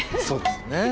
そうですね